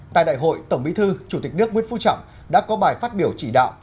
tại đại hội tổng bí thư chủ tịch nước nguyễn phú trọng đã có bài phát biểu chỉ đạo